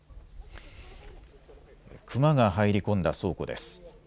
クマが入り込んだ倉庫です。